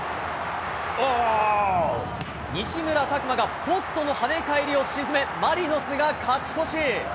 西村拓真がポストの跳ね返りを沈め、マリノスが勝ち越し。